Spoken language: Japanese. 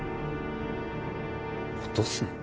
落とすな？